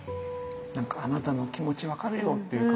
何かあなたの気持ち分かるよっていう顔ですかね。